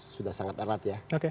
sudah sangat erat ya